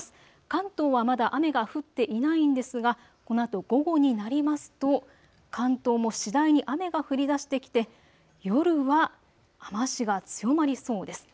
関東はまだ雨が降っていないんですがこのあと午後になりますと関東も次第に雨が降りだしてきて夜は雨足が強まりそうです。